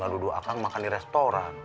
gak nuduh akang makan di restoran